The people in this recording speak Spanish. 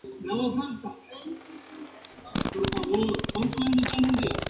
Trabajó como aprendiz en el estudio de diseño industrial de su padre en París.